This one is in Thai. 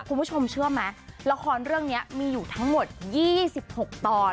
คุณผู้ชมเชื่อไหมละครเรื่องนี้มีอยู่ทั้งหมด๒๖ตอน